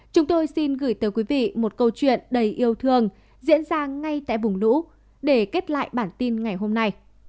chúng tôi xin gửi tới quý vị một câu chuyện đầy yêu thương diễn ra ngay tại vùng lũ để kết lại bản tin ngày hôm nay